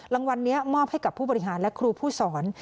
รางวัลนี้มอบให้กับผู้บริหารและครูผู้สอน